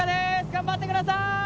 頑張って下さい。